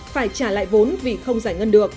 phải trả lại vốn vì không giải ngân